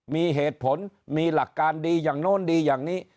มีเหตุผลมีหลักการดีอย่างโน้นดีอย่างนี้